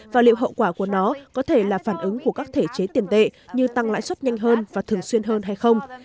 và liệu hậu quả của nó có thể là phản ứng của các thể chế tiền tệ như tăng lãi suất nhanh hơn và thường xuyên hơn hay không